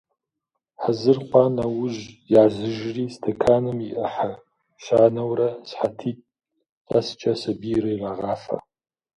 Хьэзыр хъуа нэужь языжри, стэканым и ӏыхьэ щанэурэ сыхьэтитӏ къэскӏэ сабийр ирагъафэ.